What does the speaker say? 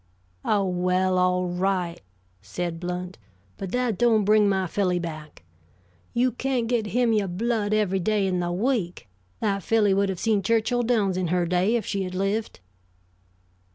"Oh, well, all right," said Blount, "but that don't bring my filly back. You can't get Himyah blood every day in the week. That filly would have seen Churchill Downs in her day, if she had lived."